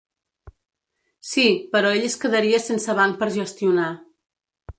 Sí, però ell es quedaria sense banc per gestionar.